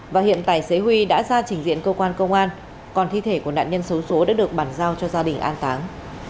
và hiện tài xế huy đã ra trình diện cơ quan công an còn thi thể của nạn nhân xấu xố đã được bàn giao cho gia đình an táng